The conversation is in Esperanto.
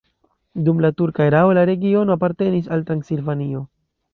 Dum la turka erao la regiono apartenis al Transilvanio.